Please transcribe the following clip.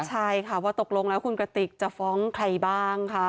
ใช่ค่ะว่าตกลงแล้วคุณกระติกจะฟ้องใครบ้างค่ะ